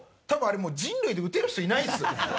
多分あれもう人類で打てる人いないですよ。